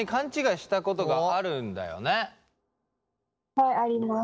はいあります。